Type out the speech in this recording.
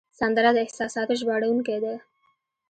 سندره د احساساتو ژباړونکی ده